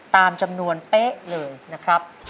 ตามจำนวนเป๊ะเลยนะครับ